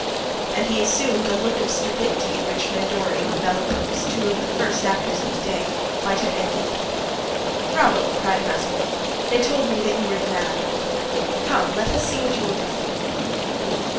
And he assumed a look of stupidity which Mendori or Bellerose, two of the first actors of the day, might have envied. "Bravo!" cried Mazarin; "they told me that you were the man I wanted. Come, let us see what you will do for me."